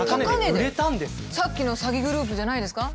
さっきの詐欺グループじゃないですか？